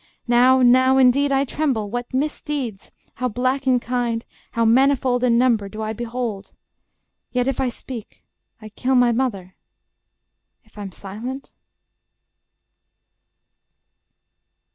Now, now, indeed, I tremble: what misdeeds, How black in kind, how manifold in number, Do I behold! ... Yet, if I speak, I kill My mother: ... If I'm silent